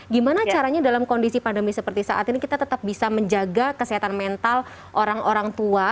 gimana caranya dalam kondisi pandemi seperti saat ini kita tetap bisa menjaga kesehatan mental orang orang tua